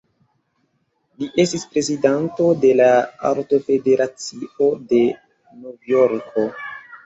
Li estis prezidanto de la Artofederacio de Novjorko.